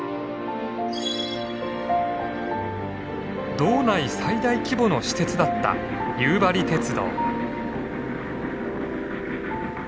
道内最大規模の私鉄だった夕張鉄道。